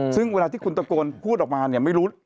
ซึ่งเวลาที่คุณตะโกนพูดออกมาเนี่ยไม่รู้